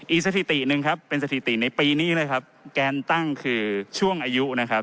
สถิติหนึ่งครับเป็นสถิติในปีนี้นะครับแกนตั้งคือช่วงอายุนะครับ